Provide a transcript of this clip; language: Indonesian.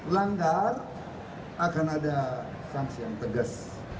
langgar akan ada sanksi yang tegas